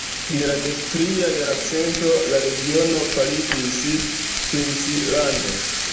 En la dektria jarcento, la regiono fariĝis princlando.